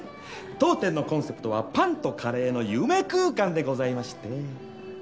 当店のコンセプトは「パンとカレーの夢空間」でございまして。